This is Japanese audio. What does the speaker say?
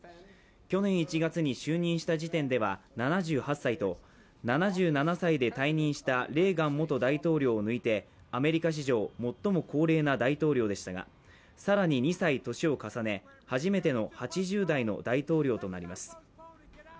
去年１月に就任した時点では７８歳と、７７歳で退任したレーガン元大統領を抜いて、アメリカ史上最も高齢な大統領でしたが更に２歳年を重ね初めての８０代の大統領となります。